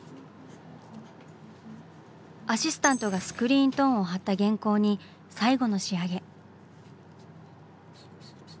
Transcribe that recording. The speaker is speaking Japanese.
アシスタントがスクリーントーンを貼った原稿に最後の仕上げ。